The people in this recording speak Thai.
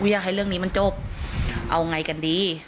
อยากให้เรื่องนี้มันจบเอาไงกันดี